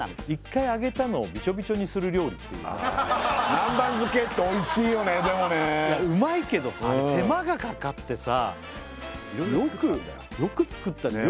１回揚げたのをビチョビチョにする料理っていうか南蛮漬けっておいしいよねでもねいやウマいけどさ手間がかかってさよく作ったね